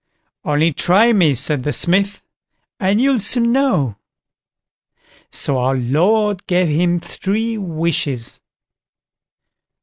"Only try me", said the Smith, "and you'll soon know." So our Lord gave him three wishes.